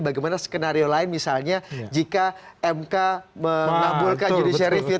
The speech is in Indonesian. bagaimana skenario lain misalnya jika mk mengabulkan judicial review